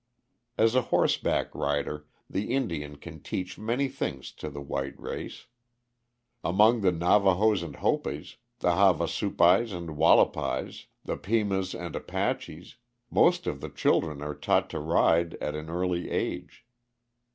As a horseback rider the Indian can teach many things to the white race. Among the Navahos and Hopis, the Havasupais and Wallapais, the Pimas and Apaches, most of the children are taught to ride at an early age.